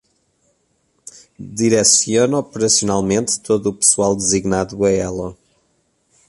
Direciona operacionalmente todo o pessoal designado a ela.